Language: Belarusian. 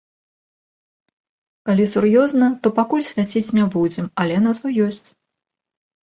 Калі сур'ёзна, то пакуль свяціць не будзем, але назва ёсць.